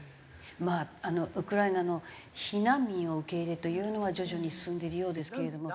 ウクライナの避難民を受け入れというのは徐々に進んでいるようですけれども。